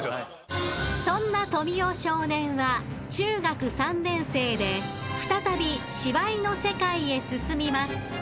［そんな富美男少年は中学３年生で再び芝居の世界へ進みます］